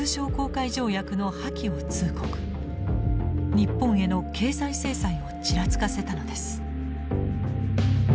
日本への経済制裁をちらつかせたのです。